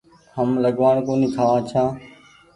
هم لڳوآڻ ڪونيٚ کآوآن ڇآن